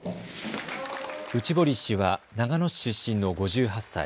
内堀氏は長野市出身の５８歳。